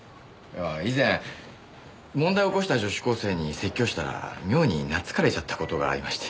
以前問題を起こした女子高生に説教したら妙になつかれちゃった事がありまして。